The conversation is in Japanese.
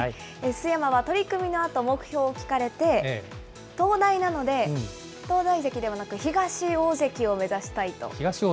須山は、取組のあと目標を聞かれて、東大なので、東大関ではなく、東大関を目指したいと。